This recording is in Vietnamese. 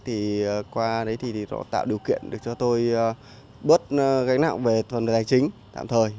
thì qua đấy thì tạo điều kiện được cho tôi bớt gánh nặng về thuận lực tài chính tạm thời